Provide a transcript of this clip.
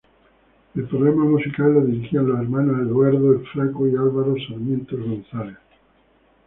El programa musical lo dirigían los hermanos Eduardo "el Flaco" y Álvaro Sarmiento González.